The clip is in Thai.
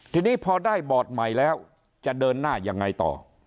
ทีนี้พอได้บอร์ดใหม่แล้วจะเดินหน้ายังไงต่อ